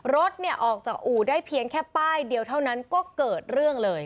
รถออกจากอู่ได้เพียงแค่ป้ายเดียวเท่านั้นก็เกิดเรื่องเลย